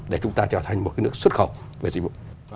để chúng ta trở thành một cái nước xuất khẩu về dịch vụ